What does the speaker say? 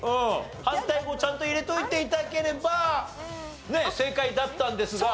反対もちゃんと入れておいていただければ正解だったんですが。